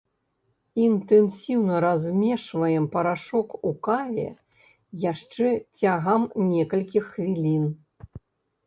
Інтэнсіўна размешваем парашок у каве яшчэ цягам некалькіх хвілін.